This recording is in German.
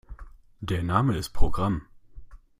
Der Name ist Programm.